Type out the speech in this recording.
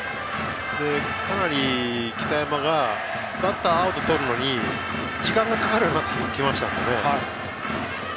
かなり北山がバッターアウトをとるのに時間がかかるようになってきましたので。